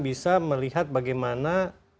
bisa melihat bagaimana